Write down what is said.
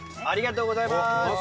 ありがとうございます！